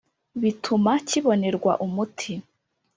bituma kibonerwa umuti